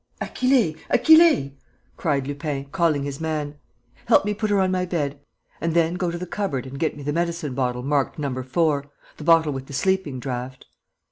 "Achille, Achille!" cried Lupin, calling his man. "Help me put her on my bed.... And then go to the cupboard and get me the medicine bottle marked number four, the bottle with the sleeping draught."